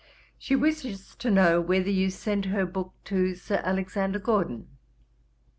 She wishes to know whether you sent her book to Sir Alexander Gordon.